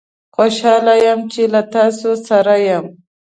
خوشحال یم چې له تاسوسره یم